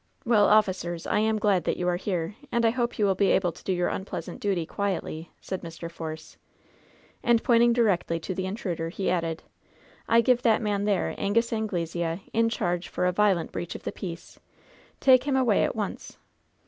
Well, officers, I am glad that you are here, and I hope you will be able to do your unpleasant duty quietly," said Mr. Force. And pointing directly to the intruder, he added: "I give that man, there, Angus Anglesea, in charge for a violent breach of the peace. Take him away at once."